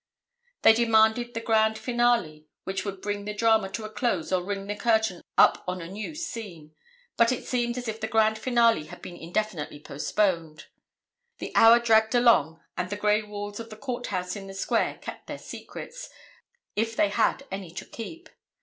They demanded the grand finale which would bring the drama to a close or ring the curtain up on a new scene; but it seemed as if the grand finale had been indefinitely postponed. The hour dragged along and the gray walls of the Court House in the Square kept their secrets, if they had any to keep.